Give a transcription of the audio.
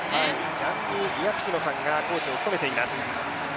ジャンニ・イアピキノさんがコーチを務めてます。